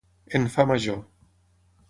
En fa major.